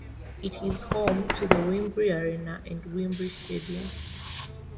It is home to the Wembley Arena and Wembley Stadium.